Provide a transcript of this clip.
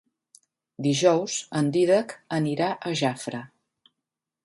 Dijous en Dídac anirà a Jafre.